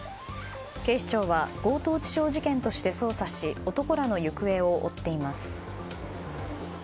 警視庁は強盗致傷事件として捜査し男らの行方を追っています。